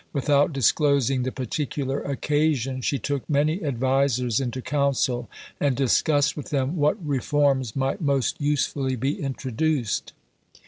Without disclosing the particular occasion, she took many advisers into council, and discussed with them what reforms might most usefully be introduced.